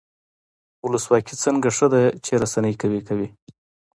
ولسواکي ځکه ښه ده چې رسنۍ قوي کوي.